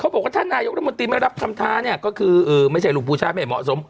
บอกว่าถ้านายกรัฐมนตรีไม่รับคำท้าเนี่ยก็คือไม่ใช่ลูกผู้ชายไม่เหมาะสม